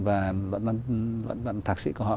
và luận văn thạc sĩ của họ